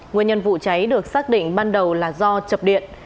nguyên nhân vụ cháy được xác định ban đầu là do chập điện